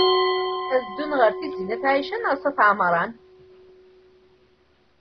Ad ddun ɣer Tizi n at Ɛica neɣ s at Ɛemṛan?